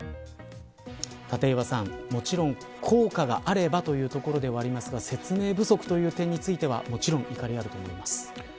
立岩さん、もちろん効果があれば、というところではありますが説明不足という点については怒りがあると思います。